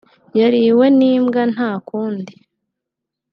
yariwe n’imbwa nta kundi”